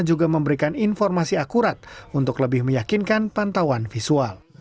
juga memberikan informasi akurat untuk lebih meyakinkan pantauan visual